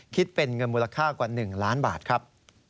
คิดเป็นเงินมูลค่ากว่า๑ล้านบาทครับ